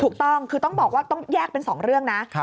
ถูกต้องคือต้องบอกว่าต้องแยกเป็น๒เรื่องนะ